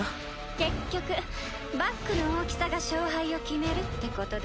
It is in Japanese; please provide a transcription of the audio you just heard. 結局バックの大きさが勝敗を決めるってことで。